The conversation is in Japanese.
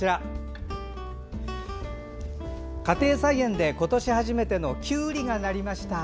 家庭菜園で今年初めてのきゅうりがなりました。